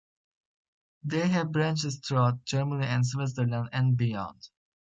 They have branches throughout Germany and Switzerland and beyond.